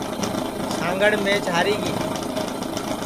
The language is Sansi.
سانگڑ میچ ہری گا ہے